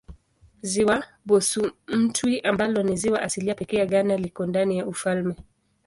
Ziwa Bosumtwi ambalo ni ziwa asilia pekee ya Ghana liko ndani ya ufalme.